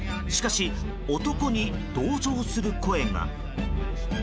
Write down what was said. しかし、男に同情する声が。